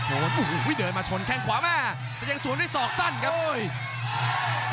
โอ้โหเดินมาชนแข้งขวาแม่แต่ยังสวนด้วยศอกสั้นครับโอ้ย